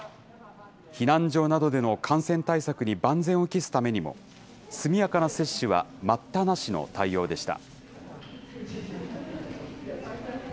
避難所などでの感染対策に万全を期すためにも、速やかな接種は待ったなしの対応でした。